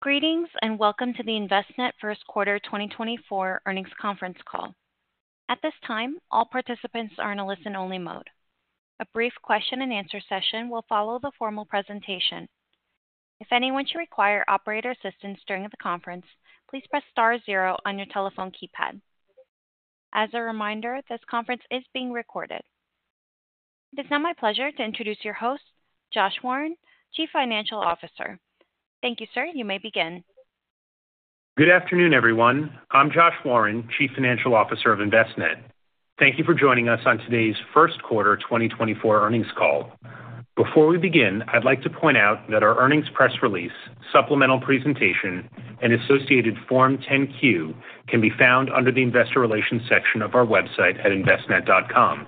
Greetings and welcome to the Envestnet first quarter 2024 earnings conference call. At this time, all participants are in a listen-only mode. A brief question-and-answer session will follow the formal presentation. If anyone should require operator assistance during the conference, please press star 0 on your telephone keypad. As a reminder, this conference is being recorded. It is now my pleasure to introduce your host, Josh Warren, Chief Financial Officer. Thank you, sir. You may begin. Good afternoon, everyone. I'm Josh Warren, Chief Financial Officer of Envestnet. Thank you for joining us on today's first quarter 2024 earnings call. Before we begin, I'd like to point out that our earnings press release, supplemental presentation, and associated Form 10-Q can be found under the Investor Relations section of our website at envestnet.com.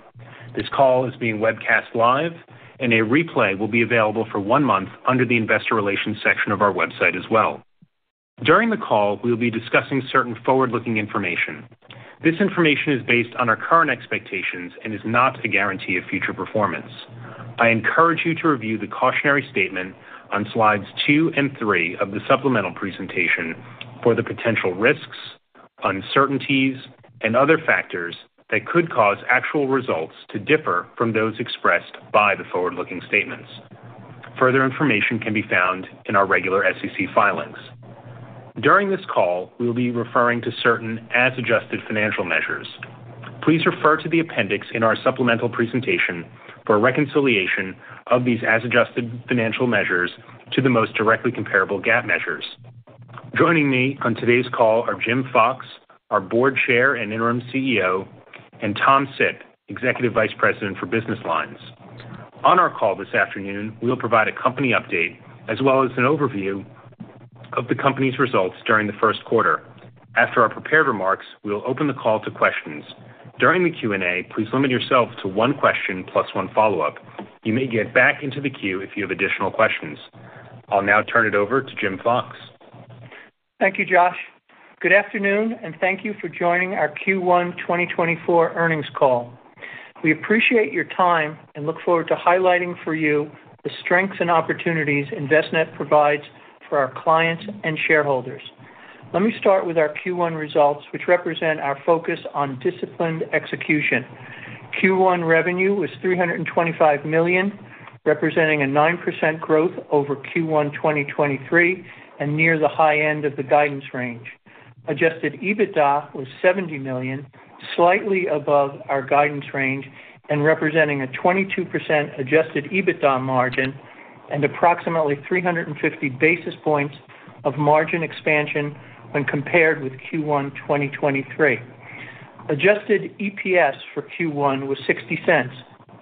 This call is being webcast live, and a replay will be available for one month under the Investor Relations section of our website as well. During the call, we will be discussing certain forward-looking information. This information is based on our current expectations and is not a guarantee of future performance. I encourage you to review the cautionary statement on slides 2 and 3 of the supplemental presentation for the potential risks, uncertainties, and other factors that could cause actual results to differ from those expressed by the forward-looking statements. Further information can be found in our regular SEC filings. During this call, we will be referring to certain as-adjusted financial measures. Please refer to the appendix in our supplemental presentation for a reconciliation of these as-adjusted financial measures to the most directly comparable GAAP measures. Joining me on today's call are Jim Fox, our Board Chair and Interim CEO, and Tom Sipp, Executive Vice President for Business Lines. On our call this afternoon, we'll provide a company update as well as an overview of the company's results during the first quarter. After our prepared remarks, we'll open the call to questions. During the Q&A, please limit yourself to one question plus one follow-up. You may get back into the queue if you have additional questions. I'll now turn it over to Jim Fox. Thank you, Josh. Good afternoon, and thank you for joining our Q1 2024 earnings call. We appreciate your time and look forward to highlighting for you the strengths and opportunities Envestnet provides for our clients and shareholders. Let me start with our Q1 results, which represent our focus on disciplined execution. Q1 revenue was $325 million, representing a 9% growth over Q1 2023 and near the high end of the guidance range. Adjusted EBITDA was $70 million, slightly above our guidance range and representing a 22% adjusted EBITDA margin and approximately 350 basis points of margin expansion when compared with Q1 2023. Adjusted EPS for Q1 was $0.60,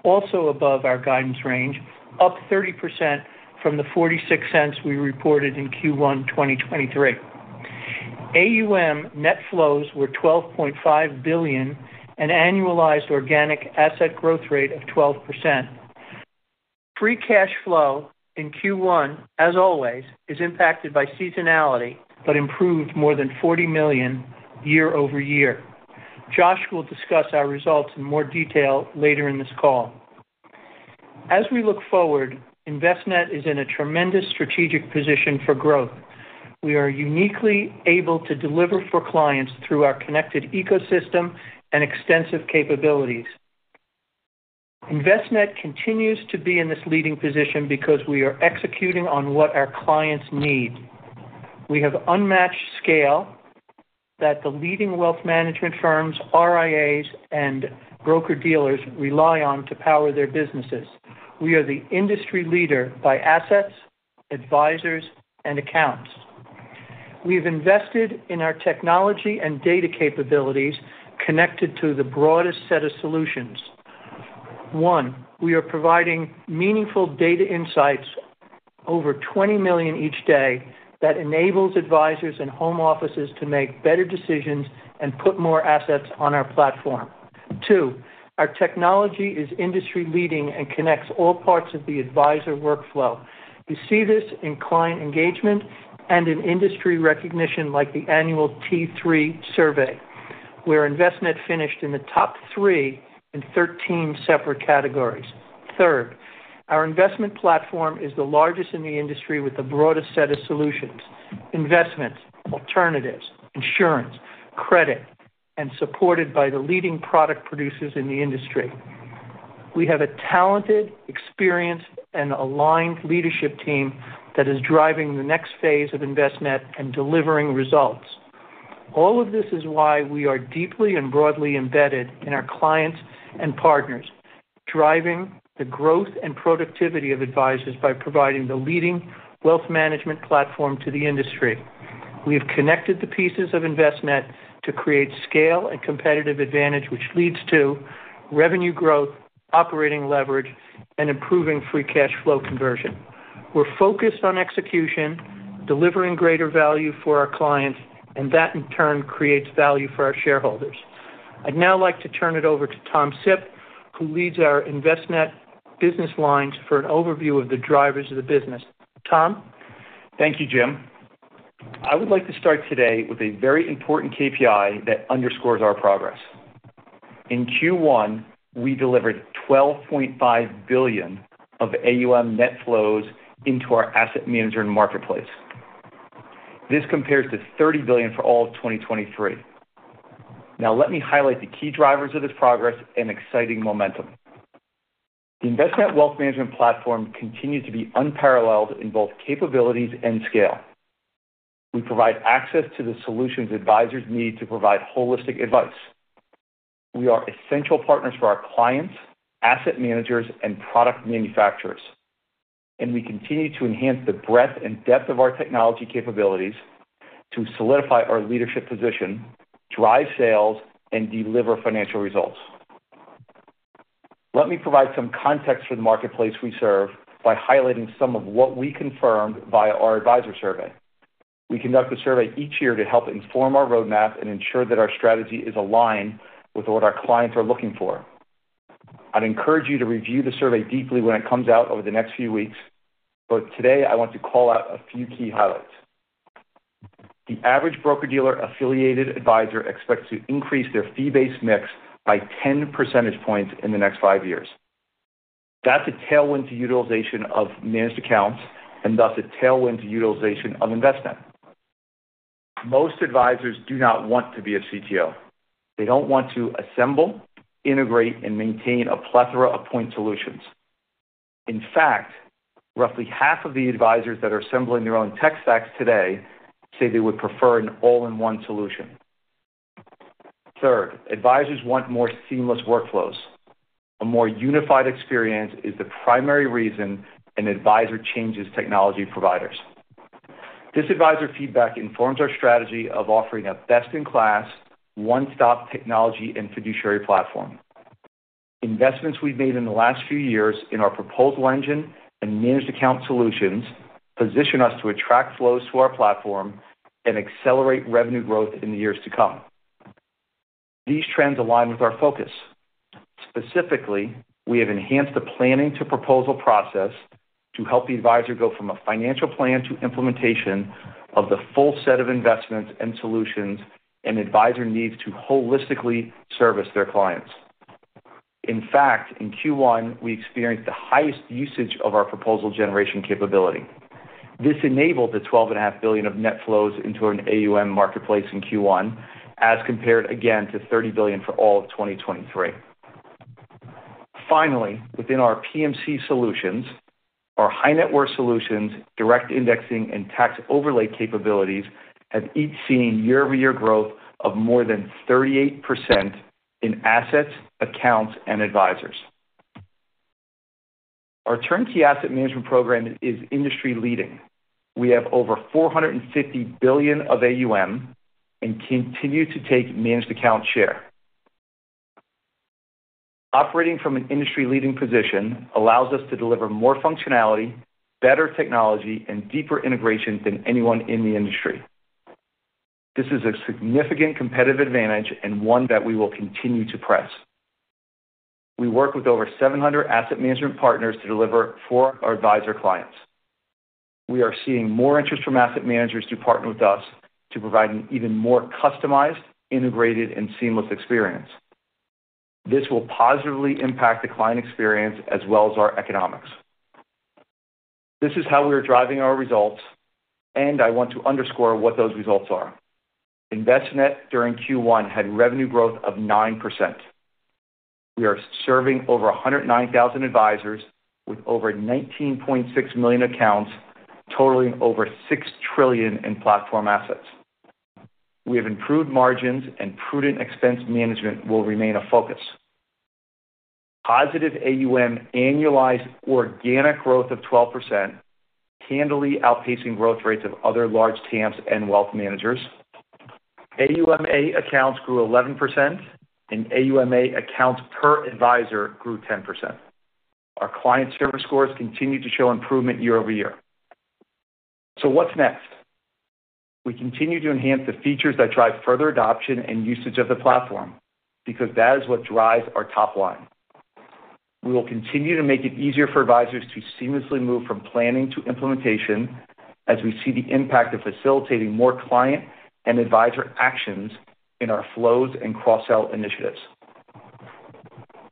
also above our guidance range, up 30% from the $0.46 we reported in Q1 2023. AUM net flows were $12.5 billion, an annualized organic asset growth rate of 12%. Free cash flow in Q1, as always, is impacted by seasonality but improved more than $40 million year-over-year. Josh will discuss our results in more detail later in this call. As we look forward, Envestnet is in a tremendous strategic position for growth. We are uniquely able to deliver for clients through our connected ecosystem and extensive capabilities. Envestnet continues to be in this leading position because we are executing on what our clients need. We have unmatched scale that the leading wealth management firms, RIAs, and broker-dealers rely on to power their businesses. We are the industry leader by assets, advisors, and accounts. We have invested in our technology and data capabilities connected to the broadest set of solutions. One, we are providing meaningful data insights over 20 million each day that enables advisors and home offices to make better decisions and put more assets on our platform. Two, our technology is industry-leading and connects all parts of the advisor workflow. You see this in client engagement and in industry recognition like the annual T3 survey, where Envestnet finished in the top three in 13 separate categories. Third, our investment platform is the largest in the industry with the broadest set of solutions: investments, alternatives, insurance, credit, and supported by the leading product producers in the industry. We have a talented, experienced, and aligned leadership team that is driving the next phase of Envestnet and delivering results. All of this is why we are deeply and broadly embedded in our clients and partners, driving the growth and productivity of advisors by providing the leading wealth management platform to the industry. We have connected the pieces of Envestnet to create scale and competitive advantage, which leads to revenue growth, operating leverage, and improving free cash flow conversion. We're focused on execution, delivering greater value for our clients, and that, in turn, creates value for our shareholders. I'd now like to turn it over to Tom Sipp, who leads our Envestnet business lines for an overview of the drivers of the business. Tom? Thank you, Jim. I would like to start today with a very important KPI that underscores our progress. In Q1, we delivered $12.5 billion of AUM net flows into our asset management marketplace. This compares to $30 billion for all of 2023. Now, let me highlight the key drivers of this progress and exciting momentum. The Envestnet wealth management platform continues to be unparalleled in both capabilities and scale. We provide access to the solutions advisors need to provide holistic advice. We are essential partners for our clients, asset managers, and product manufacturers, and we continue to enhance the breadth and depth of our technology capabilities to solidify our leadership position, drive sales, and deliver financial results. Let me provide some context for the marketplace we serve by highlighting some of what we confirmed via our advisor survey. We conduct the survey each year to help inform our roadmap and ensure that our strategy is aligned with what our clients are looking for. I'd encourage you to review the survey deeply when it comes out over the next few weeks, but today I want to call out a few key highlights. The average broker-dealer affiliated advisor expects to increase their fee-based mix by 10 percentage points in the next five years. That's a tailwind to utilization of managed accounts and thus a tailwind to utilization of Envestnet. Most advisors do not want to be a CTO. They don't want to assemble, integrate, and maintain a plethora of point solutions. In fact, roughly half of the advisors that are assembling their own tech stacks today say they would prefer an all-in-one solution. Third, advisors want more seamless workflows. A more unified experience is the primary reason an advisor changes technology providers. This advisor feedback informs our strategy of offering a best-in-class, one-stop technology and fiduciary platform. Investments we've made in the last few years in our proposal engine and managed account solutions position us to attract flows to our platform and accelerate revenue growth in the years to come. These trends align with our focus. Specifically, we have enhanced the planning-to-proposal process to help the advisor go from a financial plan to implementation of the full set of investments and solutions an advisor needs to holistically service their clients. In fact, in Q1, we experienced the highest usage of our proposal generation capability. This enabled the $12.5 billion of net flows into an AUM marketplace in Q1 as compared, again, to $30 billion for all of 2023. Finally, within our PMC solutions, our high-net-worth solutions, direct indexing, and tax overlay capabilities have each seen year-over-year growth of more than 38% in assets, accounts, and advisors. Our turnkey asset management program is industry-leading. We have over $450 billion of AUM and continue to take managed account share. Operating from an industry-leading position allows us to deliver more functionality, better technology, and deeper integration than anyone in the industry. This is a significant competitive advantage and one that we will continue to press. We work with over 700 asset management partners to deliver for our advisor clients. We are seeing more interest from asset managers to partner with us to provide an even more customized, integrated, and seamless experience. This will positively impact the client experience as well as our economics. This is how we are driving our results, and I want to underscore what those results are. Envestnet during Q1 had revenue growth of 9%. We are serving over 109,000 advisors with over 19.6 million accounts, totaling over 6 trillion in platform assets. We have improved margins, and prudent expense management will remain a focus. Positive AUM annualized organic growth of 12%, handily outpacing growth rates of other large TAMPs and wealth managers. AUMA accounts grew 11%, and AUMA accounts per advisor grew 10%. Our client service scores continue to show improvement year-over-year. So what's next? We continue to enhance the features that drive further adoption and usage of the platform because that is what drives our top line. We will continue to make it easier for advisors to seamlessly move from planning to implementation as we see the impact of facilitating more client and advisor actions in our flows and cross-sell initiatives.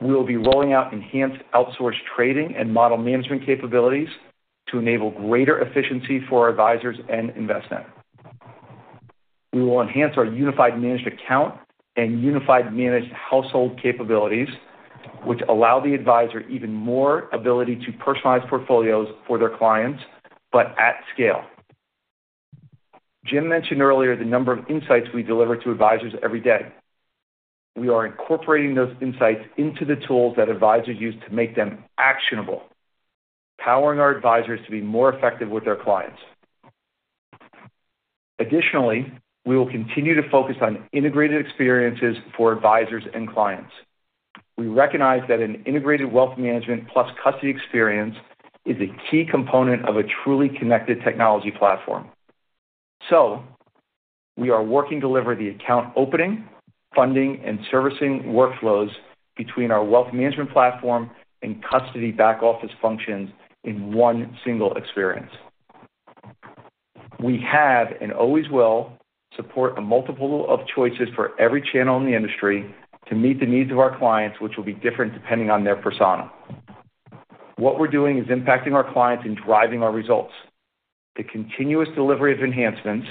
We will be rolling out enhanced outsourced trading and model management capabilities to enable greater efficiency for our advisors and Envestnet. We will enhance our Unified Managed Account and Unified Managed Household capabilities, which allow the advisor even more ability to personalize portfolios for their clients but at scale. Jim mentioned earlier the number of insights we deliver to advisors every day. We are incorporating those insights into the tools that advisors use to make them actionable, powering our advisors to be more effective with their clients. Additionally, we will continue to focus on integrated experiences for advisors and clients. We recognize that an integrated wealth management plus custody experience is a key component of a truly connected technology platform. So we are working to deliver the account opening, funding, and servicing workflows between our wealth management platform and custody back-office functions in one single experience. We have and always will support a multiple of choices for every channel in the industry to meet the needs of our clients, which will be different depending on their persona. What we're doing is impacting our clients and driving our results. The continuous delivery of enhancements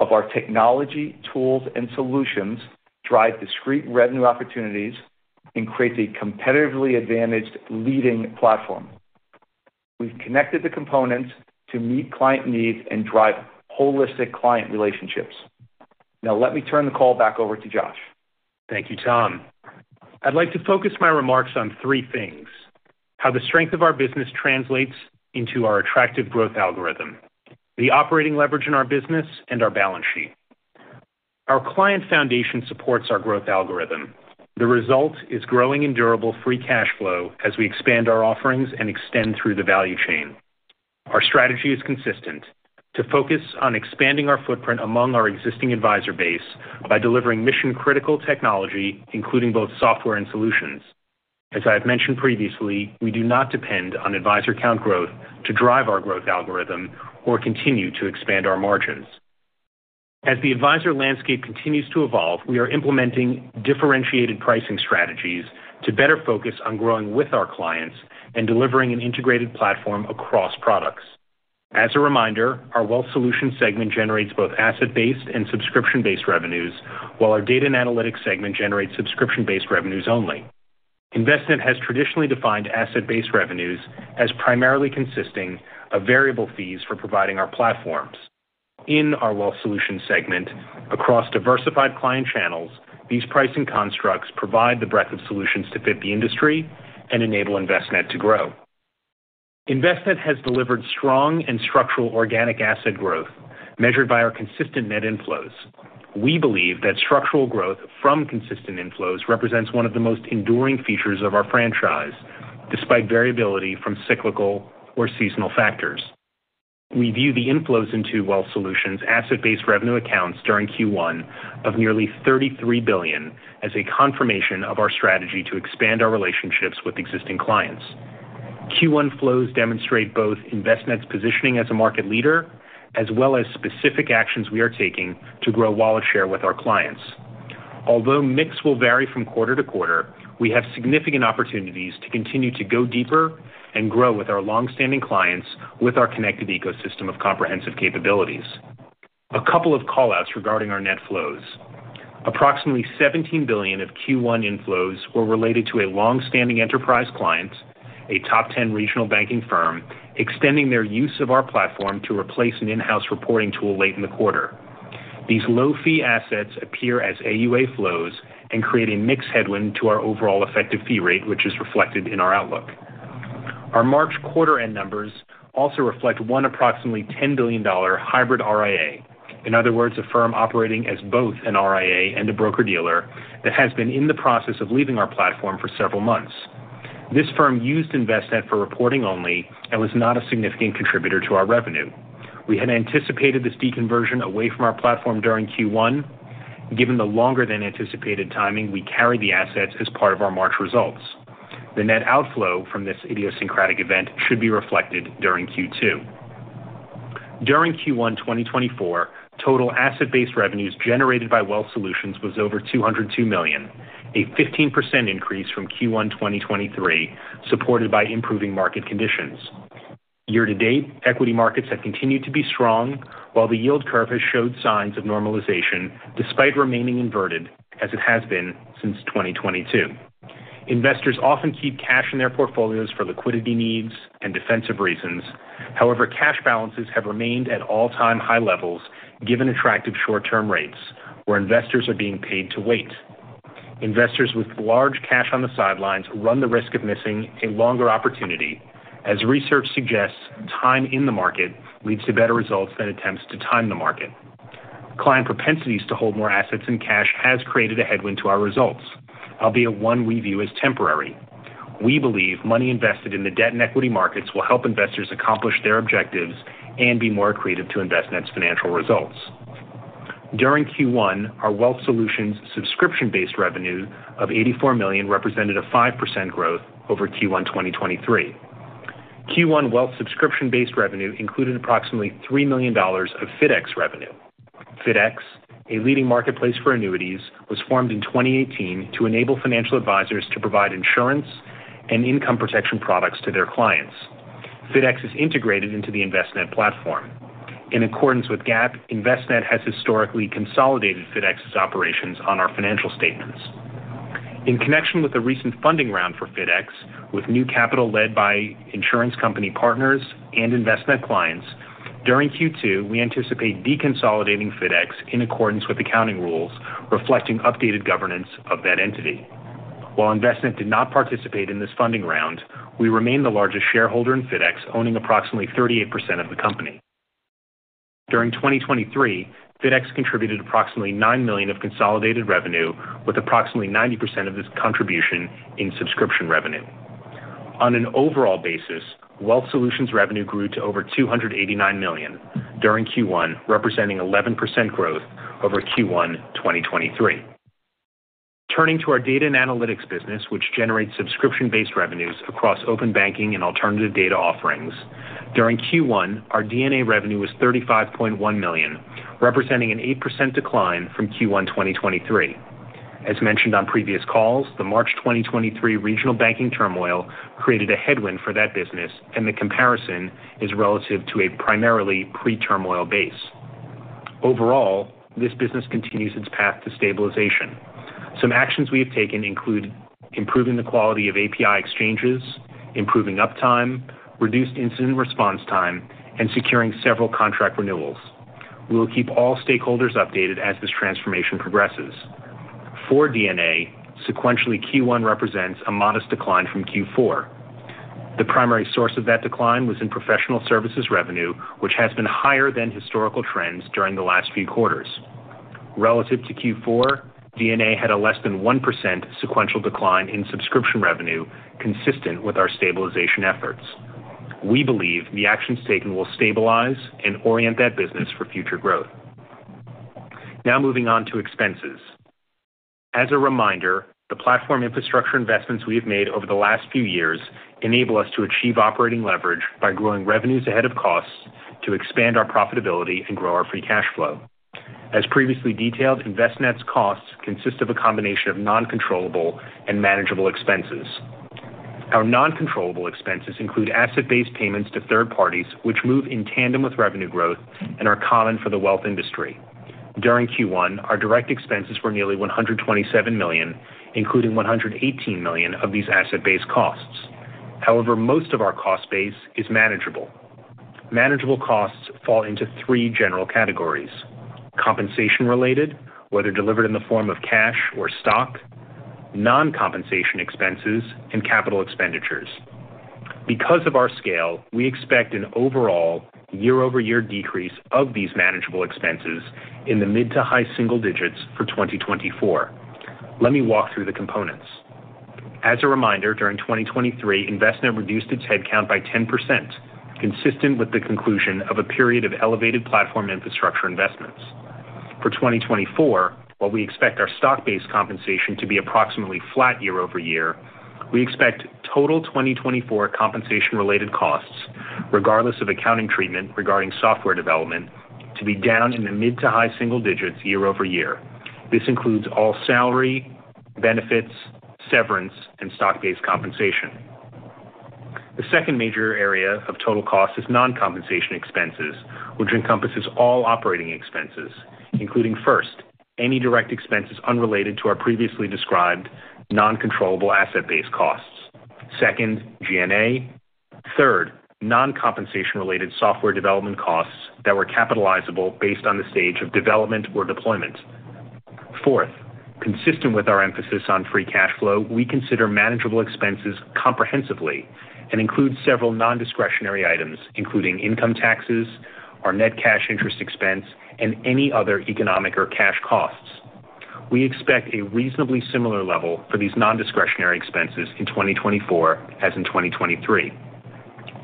of our technology, tools, and solutions drive discrete revenue opportunities and create a competitively advantaged leading platform. We've connected the components to meet client needs and drive holistic client relationships. Now, let me turn the call back over to Josh. Thank you, Tom. I'd like to focus my remarks on three things: how the strength of our business translates into our attractive growth algorithm, the operating leverage in our business, and our balance sheet. Our client foundation supports our growth algorithm. The result is growing and durable free cash flow as we expand our offerings and extend through the value chain. Our strategy is consistent: to focus on expanding our footprint among our existing advisor base by delivering mission-critical technology, including both software and solutions. As I have mentioned previously, we do not depend on advisor account growth to drive our growth algorithm or continue to expand our margins. As the advisor landscape continues to evolve, we are implementing differentiated pricing strategies to better focus on growing with our clients and delivering an integrated platform across products. As a reminder, our wealth solution segment generates both asset-based and subscription-based revenues, while our data and analytics segment generates subscription-based revenues only. Envestnet has traditionally defined asset-based revenues as primarily consisting of variable fees for providing our platforms. In our wealth solution segment, across diversified client channels, these pricing constructs provide the breadth of solutions to fit the industry and enable Envestnet to grow. Envestnet has delivered strong and structural organic asset growth measured by our consistent net inflows. We believe that structural growth from consistent inflows represents one of the most enduring features of our franchise, despite variability from cyclical or seasonal factors. We view the inflows into wealth solutions asset-based revenue accounts during Q1 of nearly $33 billion as a confirmation of our strategy to expand our relationships with existing clients. Q1 flows demonstrate both Envestnet's positioning as a market leader as well as specific actions we are taking to grow wallet share with our clients. Although mix will vary from quarter to quarter, we have significant opportunities to continue to go deeper and grow with our longstanding clients with our connected ecosystem of comprehensive capabilities. A couple of callouts regarding our net flows: approximately $17 billion of Q1 inflows were related to a longstanding enterprise client, a top 10 regional banking firm, extending their use of our platform to replace an in-house reporting tool late in the quarter. These low-fee assets appear as AUA flows and create a mixed headwind to our overall effective fee rate, which is reflected in our outlook. Our March quarter-end numbers also reflect one approximately $10 billion hybrid RIA, in other words, a firm operating as both an RIA and a broker-dealer that has been in the process of leaving our platform for several months. This firm used Envestnet for reporting only and was not a significant contributor to our revenue. We had anticipated this deconversion away from our platform during Q1. Given the longer-than-anticipated timing, we carry the assets as part of our March results. The net outflow from this idiosyncratic event should be reflected during Q2. During Q1 2024, total asset-based revenues generated by wealth solutions was over $202 million, a 15% increase from Q1 2023 supported by improving market conditions. Year to date, equity markets have continued to be strong, while the yield curve has showed signs of normalization despite remaining inverted as it has been since 2022. Investors often keep cash in their portfolios for liquidity needs and defensive reasons. However, cash balances have remained at all-time high levels given attractive short-term rates, where investors are being paid to wait. Investors with large cash on the sidelines run the risk of missing a longer opportunity, as research suggests time in the market leads to better results than attempts to time the market. Client propensities to hold more assets in cash have created a headwind to our results, albeit one we view as temporary. We believe money invested in the debt and equity markets will help investors accomplish their objectives and be more creative to Envestnet's financial results. During Q1, our wealth solutions subscription-based revenue of $84 million represented a 5% growth over Q1 2023. Q1 wealth subscription-based revenue included approximately $3 million of FIDx revenue. FIDx, a leading marketplace for annuities, was formed in 2018 to enable financial advisors to provide insurance and income protection products to their clients. FIDx is integrated into the Envestnet platform. In accordance with GAAP, Envestnet has historically consolidated FIDx's operations on our financial statements. In connection with the recent funding round for FIDx with new capital led by insurance company partners and Envestnet clients, during Q2 we anticipate deconsolidating FIDx in accordance with accounting rules reflecting updated governance of that entity. While Envestnet did not participate in this funding round, we remain the largest shareholder in FIDx owning approximately 38% of the company. During 2023, FIDx contributed approximately $9 million of consolidated revenue, with approximately 90% of this contribution in subscription revenue. On an overall basis, wealth solutions revenue grew to over $289 million during Q1, representing 11% growth over Q1 2023. Turning to our data and analytics business, which generates subscription-based revenues across open banking and alternative data offerings. During Q1, our DNA revenue was $35.1 million, representing an 8% decline from Q1 2023. As mentioned on previous calls, the March 2023 regional banking turmoil created a headwind for that business, and the comparison is relative to a primarily pre-turmoil base. Overall, this business continues its path to stabilization. Some actions we have taken include improving the quality of API exchanges, improving uptime, reduced incident response time, and securing several contract renewals. We will keep all stakeholders updated as this transformation progresses. For DNA, sequentially Q1 represents a modest decline from Q4. The primary source of that decline was in professional services revenue, which has been higher than historical trends during the last few quarters. Relative to Q4, DNA had a less than 1% sequential decline in subscription revenue, consistent with our stabilization efforts. We believe the actions taken will stabilize and orient that business for future growth. Now moving on to expenses. As a reminder, the platform infrastructure investments we have made over the last few years enable us to achieve operating leverage by growing revenues ahead of costs to expand our profitability and grow our free cash flow. As previously detailed, Envestnet's costs consist of a combination of non-controllable and manageable expenses. Our non-controllable expenses include asset-based payments to third parties, which move in tandem with revenue growth and are common for the wealth industry. During Q1, our direct expenses were nearly $127 million, including $118 million of these asset-based costs. However, most of our cost base is manageable. Manageable costs fall into three general categories: compensation-related, whether delivered in the form of cash or stock, non-compensation expenses, and capital expenditures. Because of our scale, we expect an overall year-over-year decrease of these manageable expenses in the mid- to high single digits for 2024. Let me walk through the components. As a reminder, during 2023, Envestnet reduced its headcount by 10%, consistent with the conclusion of a period of elevated platform infrastructure investments. For 2024, while we expect our stock-based compensation to be approximately flat year-over-year, we expect total 2024 compensation-related costs, regardless of accounting treatment regarding software development, to be down in the mid- to high single digits year-over-year. This includes all salary, benefits, severance, and stock-based compensation. The second major area of total costs is non-compensation expenses, which encompasses all operating expenses, including: first, any direct expenses unrelated to our previously described non-controllable asset-based costs. Second, G&A. Third, non-compensation-related software development costs that were capitalizable based on the stage of development or deployment. Fourth, consistent with our emphasis on free cash flow, we consider manageable expenses comprehensively and include several nondiscretionary items, including income taxes, our net cash interest expense, and any other economic or cash costs. We expect a reasonably similar level for these nondiscretionary expenses in 2024 as in 2023.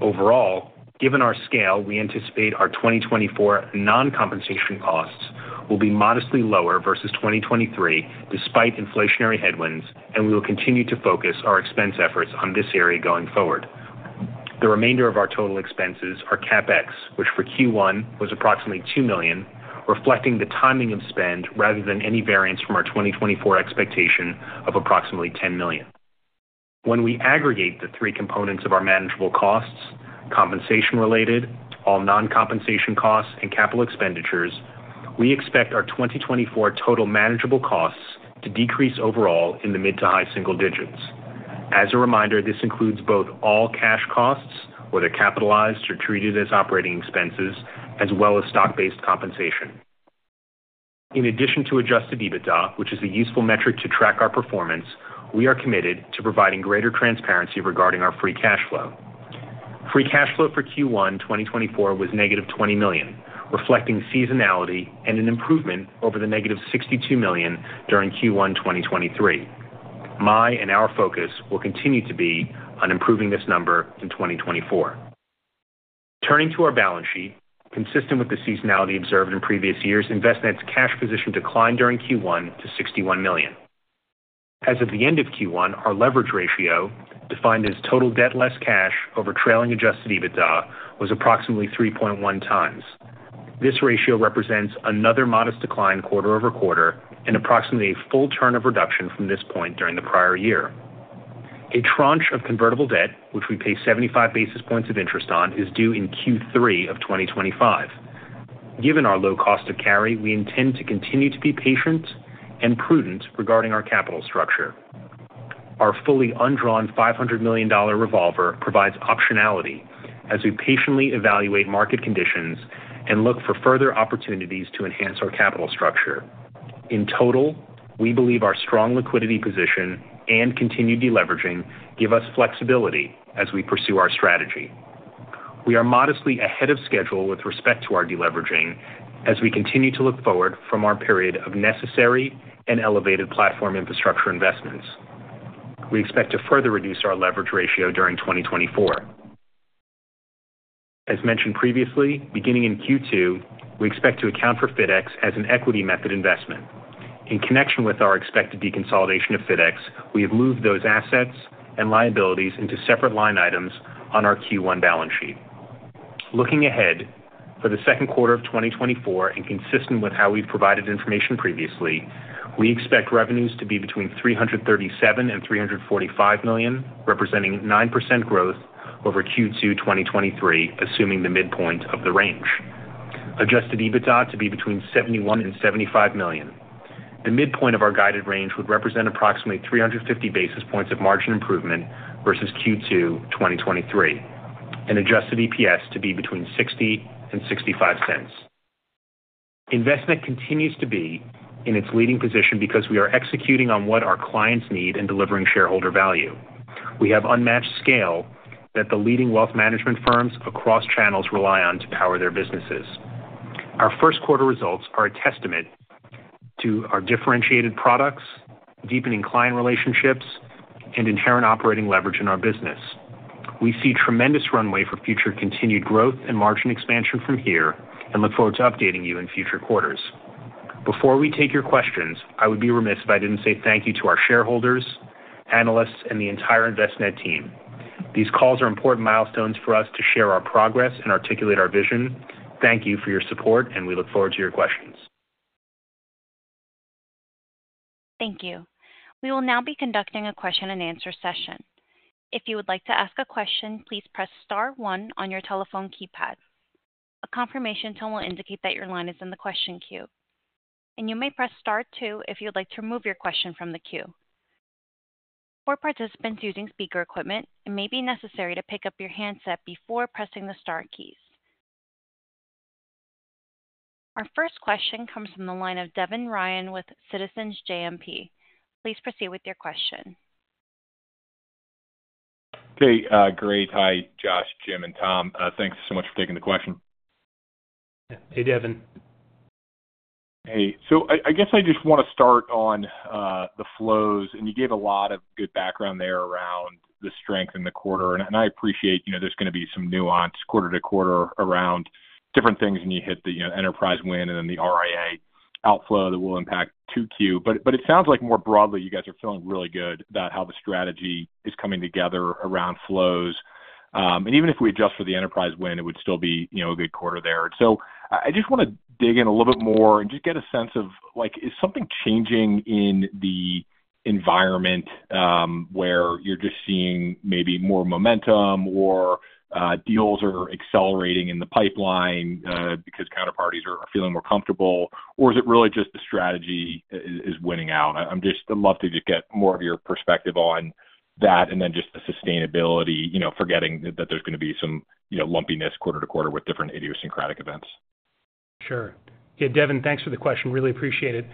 Overall, given our scale, we anticipate our 2024 non-compensation costs will be modestly lower versus 2023 despite inflationary headwinds, and we will continue to focus our expense efforts on this area going forward. The remainder of our total expenses are CAPEX, which for Q1 was approximately $2 million, reflecting the timing of spend rather than any variance from our 2024 expectation of approximately $10 million. When we aggregate the three components of our manageable costs: compensation-related, all non-compensation costs, and capital expenditures, we expect our 2024 total manageable costs to decrease overall in the mid- to high-single digits. As a reminder, this includes both all cash costs, whether capitalized or treated as operating expenses, as well as stock-based compensation. In addition to adjusted EBITDA, which is a useful metric to track our performance, we are committed to providing greater transparency regarding our free cash flow. Free cash flow for Q1 2024 was -$20 million, reflecting seasonality and an improvement over the -$62 million during Q1 2023. My and our focus will continue to be on improving this number in 2024. Turning to our balance sheet, consistent with the seasonality observed in previous years, Envestnet's cash position declined during Q1 to $61 million. As of the end of Q1, our leverage ratio, defined as total debt less cash over trailing adjusted EBITDA, was approximately 3.1 times. This ratio represents another modest decline quarter-over-quarter and approximately a full turn of reduction from this point during the prior year. A tranche of convertible debt, which we pay 75 basis points of interest on, is due in Q3 of 2025. Given our low cost of carry, we intend to continue to be patient and prudent regarding our capital structure. Our fully undrawn $500 million revolver provides optionality as we patiently evaluate market conditions and look for further opportunities to enhance our capital structure. In total, we believe our strong liquidity position and continued deleveraging give us flexibility as we pursue our strategy. We are modestly ahead of schedule with respect to our deleveraging as we continue to look forward from our period of necessary and elevated platform infrastructure investments. We expect to further reduce our leverage ratio during 2024. As mentioned previously, beginning in Q2, we expect to account for FIDx as an equity method investment. In connection with our expected deconsolidation of FIDx, we have moved those assets and liabilities into separate line items on our Q1 balance sheet. Looking ahead for the second quarter of 2024 and consistent with how we've provided information previously, we expect revenues to be between $337 million and $345 million, representing 9% growth over Q2 2023, assuming the midpoint of the range. Adjusted EBITDA to be between $71 million and $75 million. The midpoint of our guided range would represent approximately 350 basis points of margin improvement versus Q2 2023, and adjusted EPS to be between $0.60 and $0.65. Envestnet continues to be in its leading position because we are executing on what our clients need and delivering shareholder value. We have unmatched scale that the leading wealth management firms across channels rely on to power their businesses. Our first quarter results are a testament to our differentiated products, deepening client relationships, and inherent operating leverage in our business. We see tremendous runway for future continued growth and margin expansion from here and look forward to updating you in future quarters. Before we take your questions, I would be remiss if I didn't say thank you to our shareholders, analysts, and the entire Envestnet team. These calls are important milestones for us to share our progress and articulate our vision. Thank you for your support, and we look forward to your questions. Thank you. We will now be conducting a question-and-answer session. If you would like to ask a question, please press star one on your telephone keypad. A confirmation tone will indicate that your line is in the question queue, and you may press star two if you would like to remove your question from the queue. For participants using speaker equipment, it may be necessary to pick up your handset before pressing the star keys. Our first question comes from the line of Devin Ryan with Citizens JMP. Please proceed with your question. Hey, great. Hi, Josh, Jim, and Tom. Thanks so much for taking the question. Hey, Devin. Hey. So I guess I just want to start on the flows, and you gave a lot of good background there around the strength in the quarter, and I appreciate there's going to be some nuance quarter to quarter around different things, and you hit the enterprise win and then the RIA outflow that will impact Q2. But it sounds like more broadly, you guys are feeling really good about how the strategy is coming together around flows. And even if we adjust for the enterprise win, it would still be a good quarter there. So I just want to dig in a little bit more and just get a sense of, is something changing in the environment where you're just seeing maybe more momentum or deals are accelerating in the pipeline because counterparties are feeling more comfortable, or is it really just the strategy is winning out? I'd love to just get more of your perspective on that and then just the sustainability, forgetting that there's going to be some lumpiness quarter to quarter with different idiosyncratic events. Sure. Yeah, Devin, thanks for the question. Really appreciate it.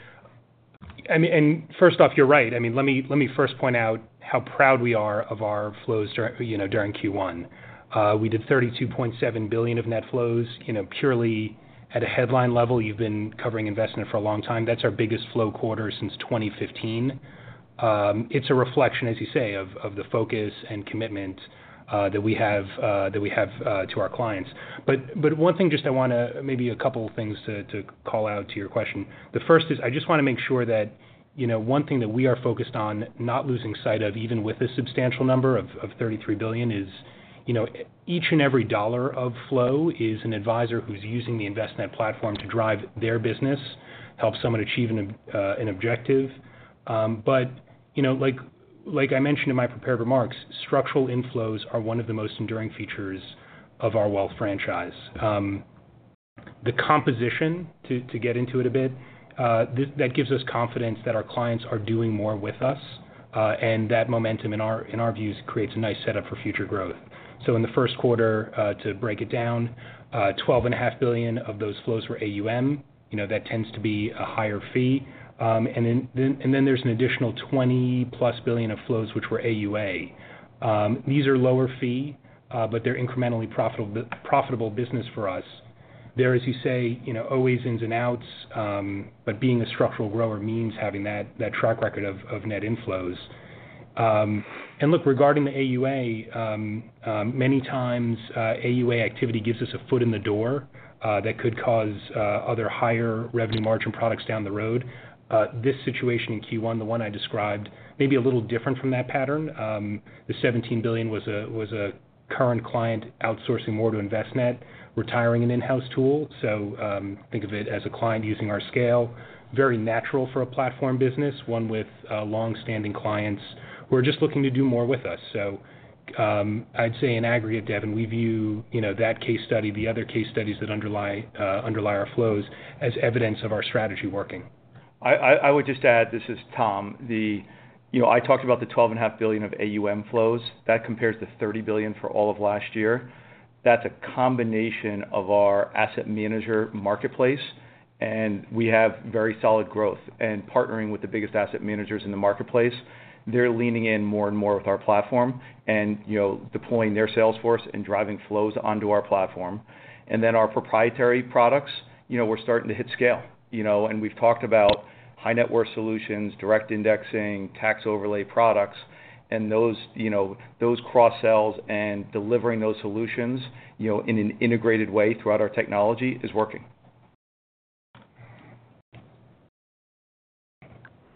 First off, you're right. I mean, let me first point out how proud we are of our flows during Q1. We did $32.7 billion of net flows purely at a headline level. You've been covering investment for a long time. That's our biggest flow quarter since 2015. It's a reflection, as you say, of the focus and commitment that we have to our clients. But one thing just I want to maybe a couple of things to call out to your question. The first is I just want to make sure that one thing that we are focused on, not losing sight of even with this substantial number of $33 billion, is each and every dollar of flow is an advisor who's using the Envestnet platform to drive their business, help someone achieve an objective. But like I mentioned in my prepared remarks, structural inflows are one of the most enduring features of our wealth franchise. The composition, to get into it a bit, that gives us confidence that our clients are doing more with us, and that momentum, in our views, creates a nice setup for future growth. So in the first quarter, to break it down, $12.5 billion of those flows were AUM. That tends to be a higher fee. And then there's an additional $20+ billion of flows, which were AUA. These are lower fee, but they're incrementally profitable business for us. There, as you say, always ins and outs, but being a structural grower means having that track record of net inflows. And look, regarding the AUA, many times AUA activity gives us a foot in the door that could cause other higher revenue margin products down the road. This situation in Q1, the one I described, may be a little different from that pattern. The $17 billion was a current client outsourcing more to Envestnet, retiring an in-house tool. So think of it as a client using our scale, very natural for a platform business, one with long-standing clients who are just looking to do more with us. So I'd say in aggregate, Devin, we view that case study, the other case studies that underlie our flows, as evidence of our strategy working. I would just add, this is Tom, I talked about the $12.5 billion of AUM flows. That compares to $30 billion for all of last year. That's a combination of our asset manager marketplace, and we have very solid growth. And partnering with the biggest asset managers in the marketplace, they're leaning in more and more with our platform and deploying their sales force and driving flows onto our platform. And then our proprietary products, we're starting to hit scale. And we've talked about high-net-worth solutions, direct indexing, tax overlay products, and those cross-sells and delivering those solutions in an integrated way throughout our technology is working.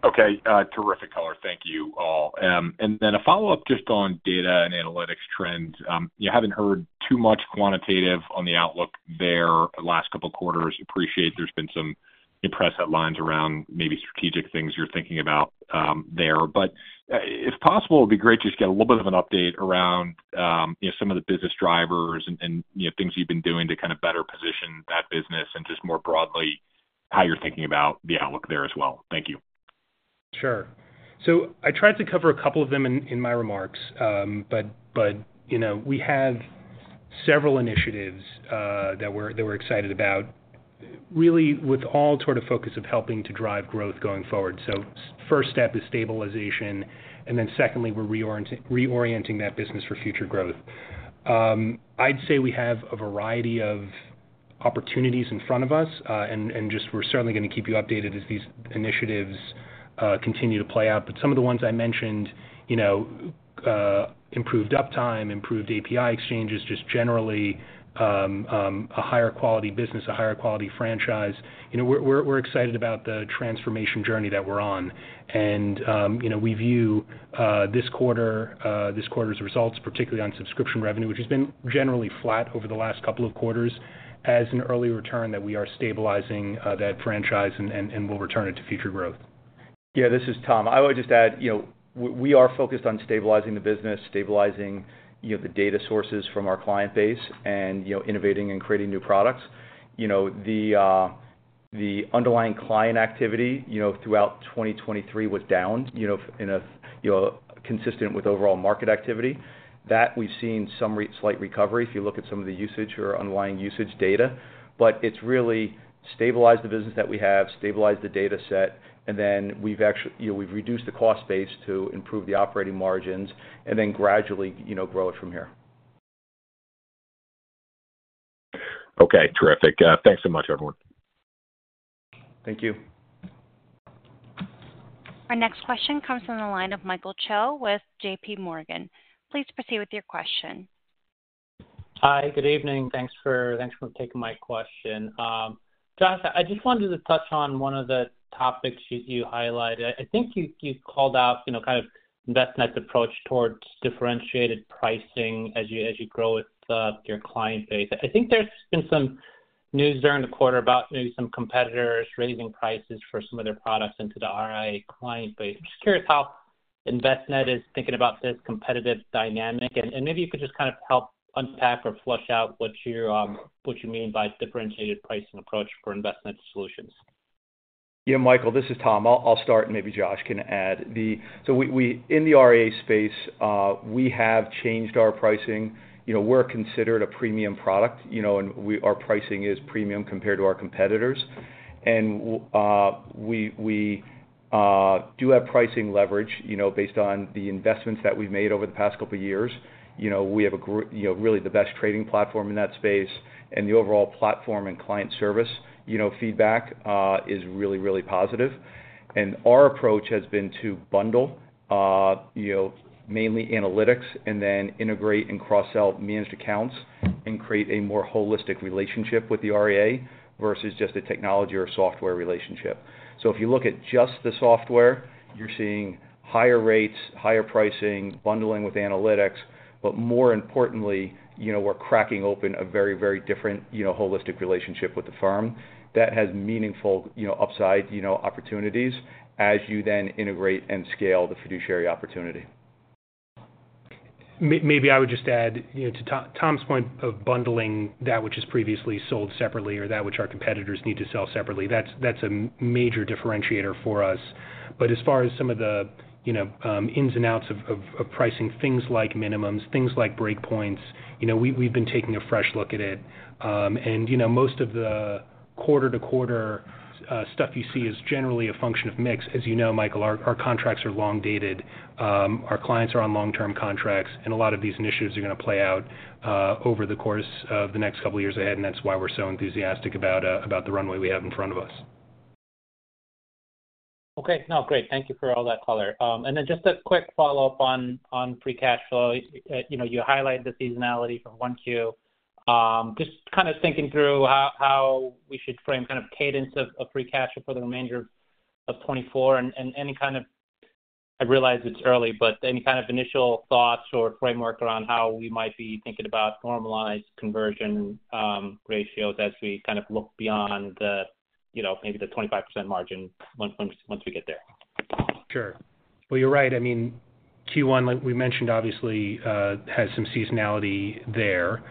Okay. Terrific color. Thank you all. And then a follow-up just on data and analytics trends. I haven't heard too much quantitative on the outlook there the last couple of quarters. Appreciate there's been some impressive lines around maybe strategic things you're thinking about there. But if possible, it would be great to just get a little bit of an update around some of the business drivers and things you've been doing to kind of better position that business and just more broadly how you're thinking about the outlook there as well. Thank you. Sure. So I tried to cover a couple of them in my remarks, but we have several initiatives that we're excited about, really with all sort of focus of helping to drive growth going forward. So first step is stabilization, and then secondly, we're reorienting that business for future growth. I'd say we have a variety of opportunities in front of us, and just we're certainly going to keep you updated as these initiatives continue to play out. But some of the ones I mentioned, improved uptime, improved API exchanges, just generally a higher quality business, a higher quality franchise. We're excited about the transformation journey that we're on. And we view this quarter's results, particularly on subscription revenue, which has been generally flat over the last couple of quarters, as an early return that we are stabilizing that franchise and will return it to future growth. Yeah, this is Tom. I would just add we are focused on stabilizing the business, stabilizing the data sources from our client base, and innovating and creating new products. The underlying client activity throughout 2023 was down, consistent with overall market activity. That we've seen some slight recovery if you look at some of the usage or underlying usage data. But it's really stabilized the business that we have, stabilized the dataset, and then we've reduced the cost base to improve the operating margins and then gradually grow it from here. Okay. Terrific. Thanks so much, everyone. Thank you. Our next question comes from the line of Michael Cho with JPMorgan. Please proceed with your question. Hi. Good evening. Thanks for taking my question. Josh, I just wanted to touch on one of the topics you highlighted. I think you called out kind of Envestnet's approach towards differentiated pricing as you grow with your client base. I think there's been some news during the quarter about maybe some competitors raising prices for some of their products into the RIA client base. I'm just curious how Envestnet is thinking about this competitive dynamic. Maybe you could just kind of help unpack or flesh out what you mean by differentiated pricing approach for Envestnet's solutions. Yeah, Michael. This is Tom. I'll start, and maybe Josh can add. In the RIA space, we have changed our pricing. We're considered a premium product, and our pricing is premium compared to our competitors. We do have pricing leverage based on the investments that we've made over the past couple of years. We have really the best trading platform in that space, and the overall platform and client service feedback is really, really positive. Our approach has been to bundle mainly analytics and then integrate and cross-sell managed accounts and create a more holistic relationship with the RIA versus just a technology or software relationship. So if you look at just the software, you're seeing higher rates, higher pricing, bundling with analytics, but more importantly, we're cracking open a very, very different holistic relationship with the firm that has meaningful upside opportunities as you then integrate and scale the fiduciary opportunity. Maybe I would just add, to Tom's point of bundling that which is previously sold separately or that which our competitors need to sell separately, that's a major differentiator for us. But as far as some of the ins and outs of pricing, things like minimums, things like breakpoints, we've been taking a fresh look at it. And most of the quarter-to-quarter stuff you see is generally a function of mix. As you know, Michael, our contracts are long-dated. Our clients are on long-term contracts, and a lot of these initiatives are going to play out over the course of the next couple of years ahead. And that's why we're so enthusiastic about the runway we have in front of us. Okay. No, great. Thank you for all that color. And then just a quick follow-up on free cash flow. You highlighted the seasonality from Q1. Just kind of thinking through how we should frame kind of cadence of free cash flow for the remainder of 2024 and any kind of. I realize it's early, but any kind of initial thoughts or framework around how we might be thinking about normalized conversion ratios as we kind of look beyond maybe the 25% margin once we get there. Sure. Well, you're right. I mean, Q1, like we mentioned, obviously has some seasonality there.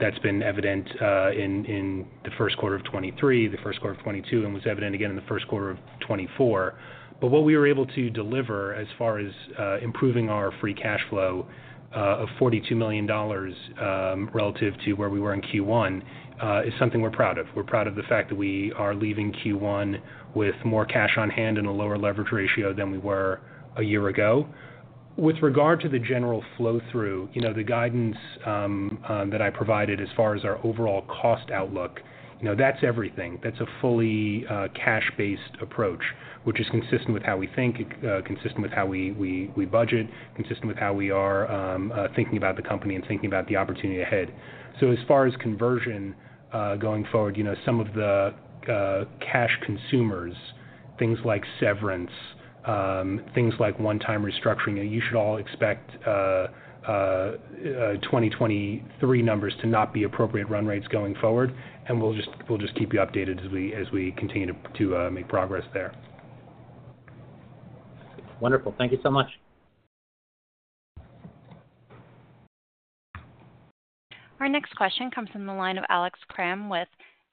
That's been evident in the first quarter of 2023, the first quarter of 2022, and was evident again in the first quarter of 2024. But what we were able to deliver as far as improving our free cash flow of $42 million relative to where we were in Q1 is something we're proud of. We're proud of the fact that we are leaving Q1 with more cash on hand and a lower leverage ratio than we were a year ago. With regard to the general flow-through, the guidance that I provided as far as our overall cost outlook, that's everything. That's a fully cash-based approach, which is consistent with how we think, consistent with how we budget, consistent with how we are thinking about the company and thinking about the opportunity ahead. As far as conversion going forward, some of the cash consumers, things like severance, things like one-time restructuring, you should all expect 2023 numbers to not be appropriate run rates going forward. We'll just keep you updated as we continue to make progress there. Wonderful. Thank you so much. Our next question comes from the line of Alex Kramm with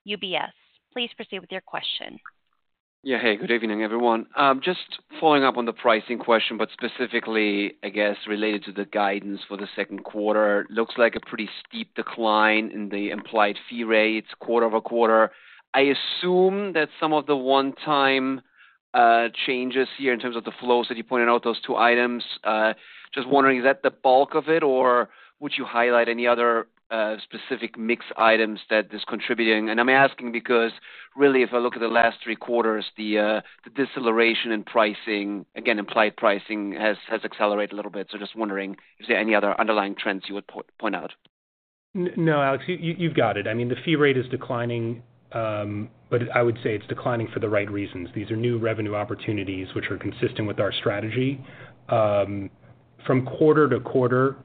UBS. Please proceed with your question. Yeah. Hey. Good evening, everyone. Just following up on the pricing question, but specifically, I guess, related to the guidance for the second quarter, looks like a pretty steep decline in the implied fee rates quarter-over-quarter. I assume that some of the one-time changes here in terms of the flows that you pointed out, those two items, just wondering, is that the bulk of it, or would you highlight any other specific mixed items that this contributing? And I'm asking because, really, if I look at the last three quarters, the deceleration in pricing, again, implied pricing, has accelerated a little bit. So just wondering if there are any other underlying trends you would point out. No, Alex, you've got it. I mean, the fee rate is declining, but I would say it's declining for the right reasons. These are new revenue opportunities which are consistent with our strategy. From quarter to quarter,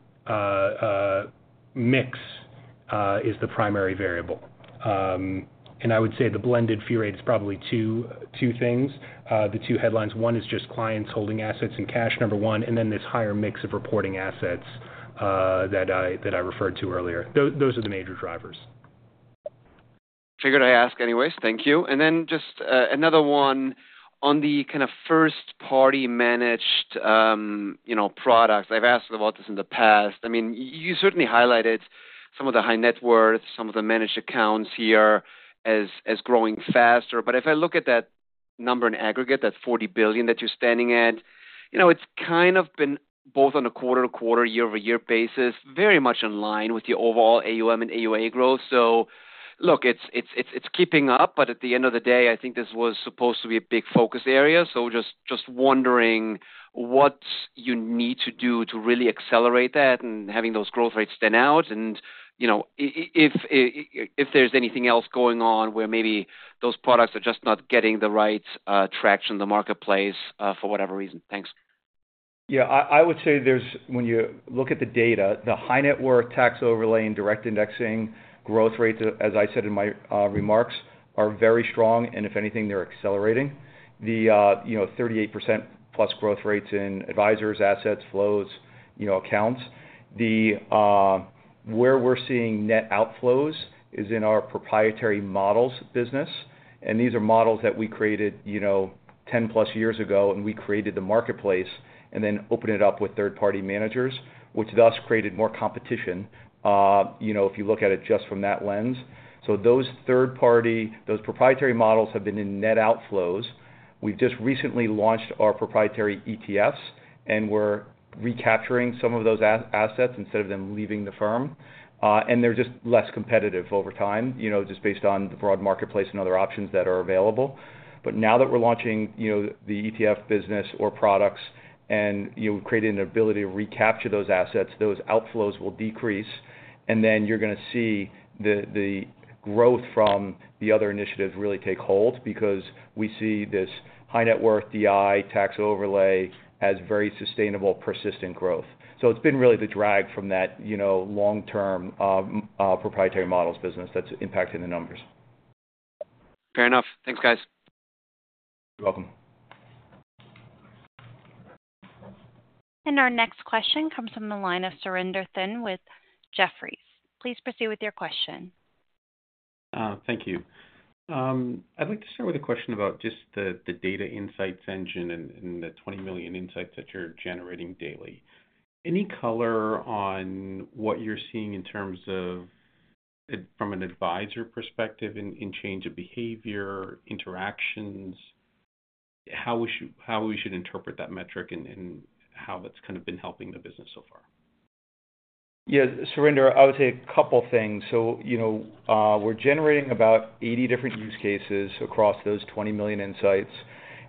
mix is the primary variable. And I would say the blended fee rate is probably two things, the two headlines. One is just clients holding assets in cash, number one, and then this higher mix of reporting assets that I referred to earlier. Those are the major drivers. Figured I ask anyways. Thank you. And then just another one on the kind of first-party managed products. I've asked about this in the past. I mean, you certainly highlighted some of the high net worth, some of the managed accounts here as growing faster. But if I look at that number in aggregate, that $40 billion that you're standing at, it's kind of been both on a quarter-to-quarter, year-over-year basis, very much in line with your overall AUM and AUA growth. So look, it's keeping up, but at the end of the day, I think this was supposed to be a big focus area. So just wondering what you need to do to really accelerate that and having those growth rates stand out. And if there's anything else going on where maybe those products are just not getting the right traction in the marketplace for whatever reason. Thanks. Yeah. I would say when you look at the data, the high-net-worth tax overlay and direct indexing growth rates, as I said in my remarks, are very strong. And if anything, they're accelerating. The 38%-plus growth rates in advisors, assets, flows, accounts, where we're seeing net outflows is in our proprietary models business. And these are models that we created 10+ years ago, and we created the marketplace and then opened it up with third-party managers, which thus created more competition if you look at it just from that lens. So those third-party, those proprietary models have been in net outflows. We've just recently launched our proprietary ETFs, and we're recapturing some of those assets instead of them leaving the firm. And they're just less competitive over time, just based on the broad marketplace and other options that are available. But now that we're launching the ETF business or products and creating an ability to recapture those assets, those outflows will decrease. And then you're going to see the growth from the other initiatives really take hold because we see this high-net-worth DI tax overlay as very sustainable, persistent growth. So it's been really the drag from that long-term proprietary models business that's impacted the numbers. Fair enough. Thanks, guys. You're welcome. Our next question comes from the line of Surinder Thind with Jefferies. Please proceed with your question. Thank you. I'd like to start with a question about just the data insights engine and the 20 million insights that you're generating daily. Any color on what you're seeing in terms of from an advisor perspective in change of behavior, interactions? How we should interpret that metric and how that's kind of been helping the business so far? Yeah. Surinder, I would say a couple of things. So we're generating about 80 different use cases across those 20 million insights.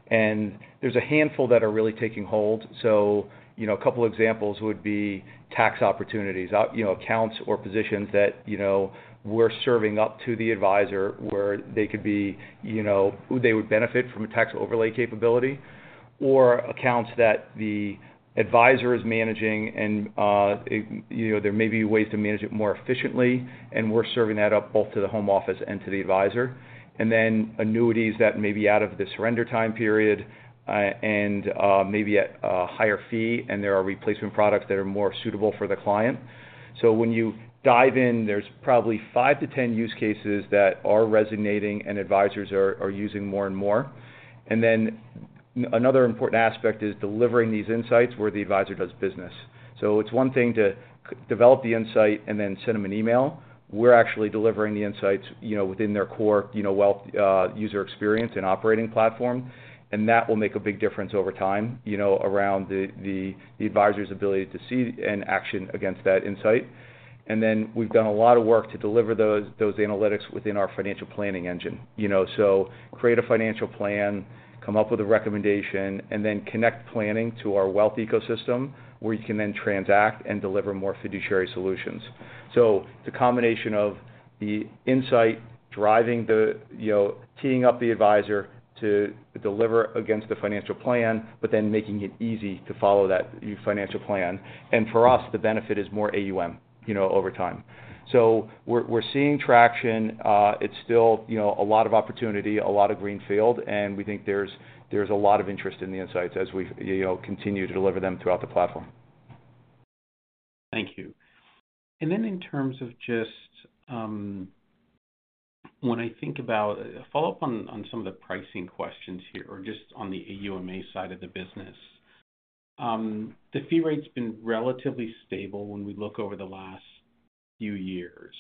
And there's a handful that are really taking hold. So a couple of examples would be tax opportunities, accounts or positions that we're serving up to the advisor where they could be they would benefit from a tax overlay capability or accounts that the advisor is managing, and there may be ways to manage it more efficiently. And we're serving that up both to the home office and to the advisor. And then annuities that may be out of the surrender time period and maybe at a higher fee, and there are replacement products that are more suitable for the client. So when you dive in, there's probably five to 10 use cases that are resonating, and advisors are using more and more. And then another important aspect is delivering these insights where the advisor does business. So it's one thing to develop the insight and then send them an email. We're actually delivering the insights within their core wealth user experience and operating platform. And that will make a big difference over time around the advisor's ability to see and action against that insight. And then we've done a lot of work to deliver those analytics within our financial planning engine. So create a financial plan, come up with a recommendation, and then connect planning to our wealth ecosystem where you can then transact and deliver more fiduciary solutions. So it's a combination of the insight driving, teeing up the advisor to deliver against the financial plan, but then making it easy to follow that financial plan. And for us, the benefit is more AUM over time. So we're seeing traction. It's still a lot of opportunity, a lot of greenfield. We think there's a lot of interest in the insights as we continue to deliver them throughout the platform. Thank you. Then in terms of just when I think about a follow-up on some of the pricing questions here or just on the AUMA side of the business, the fee rate's been relatively stable when we look over the last few years.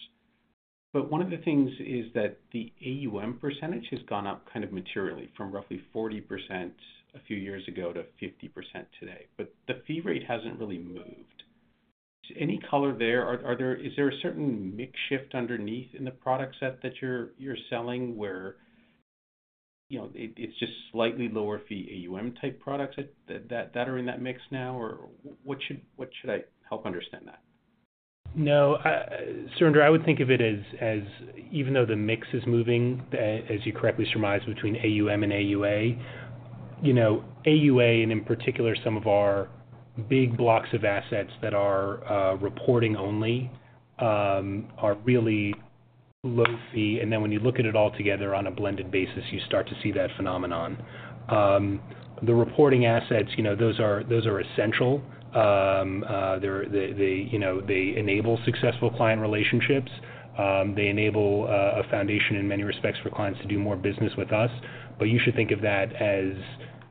But one of the things is that the AUM percentage has gone up kind of materially from roughly 40% a few years ago to 50% today. But the fee rate hasn't really moved. Any color there? Is there a certain mix shift underneath in the product set that you're selling where it's just slightly lower fee AUM-type products that are in that mix now? Or what should I help understand that? No, Surinder, I would think of it as even though the mix is moving, as you correctly surmised, between AUM and AUA, AUA and in particular some of our big blocks of assets that are reporting only are really low fee. And then when you look at it all together on a blended basis, you start to see that phenomenon. The reporting assets, those are essential. They enable successful client relationships. They enable a foundation in many respects for clients to do more business with us. But you should think of that as,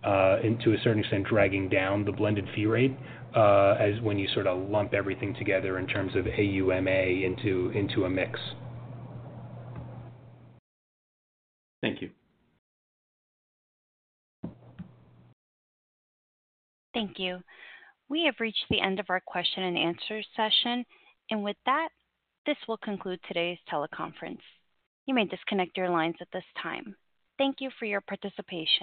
to a certain extent, dragging down the blended fee rate as when you sort of lump everything together in terms of AUMA into a mix. Thank you. Thank you. We have reached the end of our question and answer session. With that, this will conclude today's teleconference. You may disconnect your lines at this time. Thank you for your participation.